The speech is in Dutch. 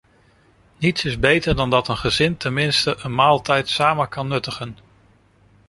Niets is beter dan dat een gezin ten minste een maaltijd samen kan nuttigen.